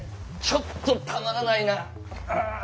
ちょっとたまらないなぁ。